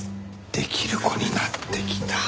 できる子になってきた。